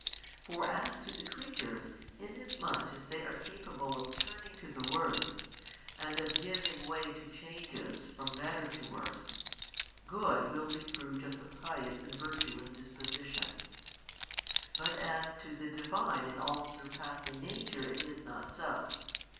For as to the creatures, inasmuch as they are capable of turning to the worse, and of giving way to changes from better to worse, good will be fruit of the pious and virtuous disposition: but as to the Divine and All Surpassing Nature it is not so.